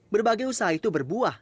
berbagai usaha itu berbuah